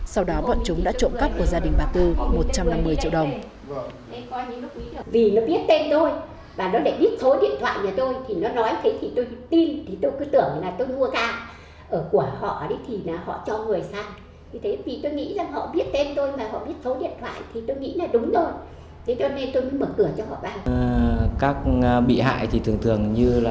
sau đó bọn chúng đã trộm cắp của gia đình bà tư một trăm năm mươi triệu đồng